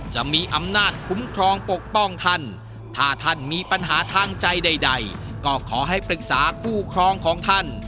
จะมีอำนาจคุ้มครองปกป้องท่านถ้าท่านมีปัญหาทางใจใดก็ขอให้ปรึกษาคู่ครองของท่าน